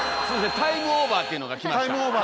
タイムオーバーっていうのがあるのね。